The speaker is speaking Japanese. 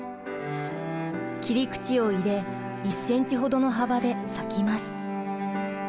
切り口を入れ１ｃｍほどの幅で裂きます。